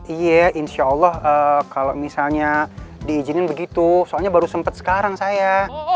iya insya allah kalau misalnya diizinin begitu soalnya baru sempet sekarang saya